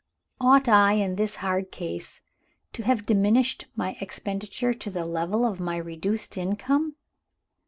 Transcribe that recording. "Ought I, in this hard case, to have diminished my expenditure to the level of my reduced income?